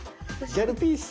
「ギャルピース」。